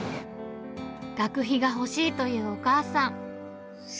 学費が欲しいというお母さん。